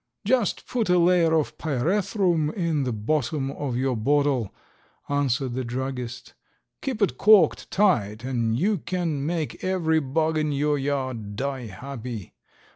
"Just put a layer of pyrethrum in the bottom of your bottle," answered the druggist, "keep it corked tight, and you can make every bug in your yard die happy.